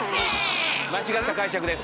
間違った解釈です。